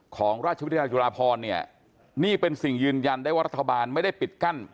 ของราชวิทยาลจุฬาพรเนี่ยนี่เป็นสิ่งยืนยันได้ว่ารัฐบาลไม่ได้ปิดกั้น